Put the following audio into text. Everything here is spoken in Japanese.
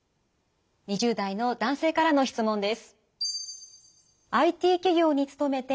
２０代の男性からの質問です。